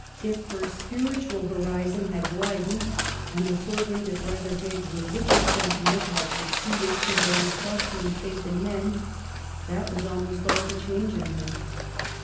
If her spiritual horizon had widened, and a fervent if rather vague religious sentiment had succeeded to her unquestioning faith in men — that was almost all the change in her.